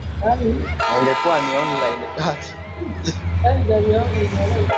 elizabeth alimpikia bibi yake victoria aliyekuwa malkia wa uingereza